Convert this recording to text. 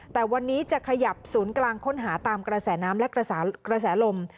แต่วันนี้จะขยับศูนย์กลางค้นหาตามกระแสน้ำและกระแสลม